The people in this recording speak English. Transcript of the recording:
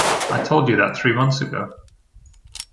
I told you that three months ago.